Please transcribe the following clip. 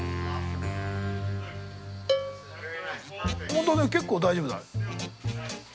本当だ結構大丈夫だ。